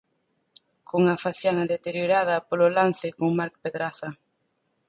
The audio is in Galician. Cunha faciana deteriorada polo lance con Marc Pedraza.